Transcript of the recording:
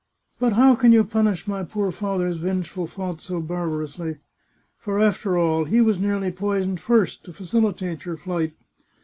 But how can you punish my poor father's vengeful thought so barbarously ? For, after all, he was nearly poisoned, first, to facilitate your flight.